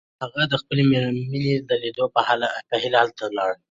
هغه د خپلې مینې د لیدو په هیله هلته لاړ.